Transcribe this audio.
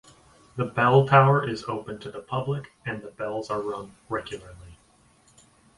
The bell tower is open to the public, and the bells are rung regularly.